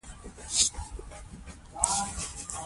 وګړي د افغانستان د دوامداره پرمختګ لپاره اړین دي.